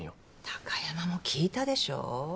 貴山も聞いたでしょ。